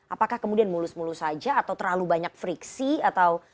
apakah kemudian mulus mulus saja atau terlalu banyak friksi atau